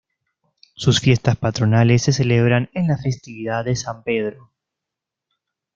Sus fiestas patronales se celebran en la festividad de San Pedro.